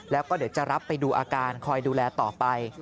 แล้วก็เดี๋ยวจะรับไปดูอาการคอยดูแลต่อไป